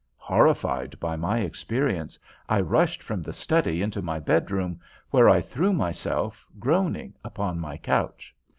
Horrified by my experience, I rushed from the study into my bedroom, where I threw myself, groaning, upon my couch.